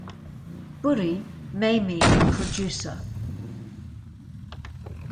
"Buri" may mean "producer".